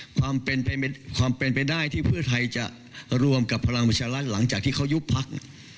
ความเป็นไปได้ที่เพื่อไทยจะรวมกับพลังประชารัฐหลังจากที่เขายุบพัก